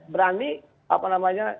berani apa namanya